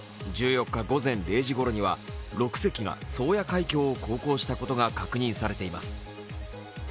１４日午前０時ごろには６隻が宗谷海峡を航行したことが確認されています。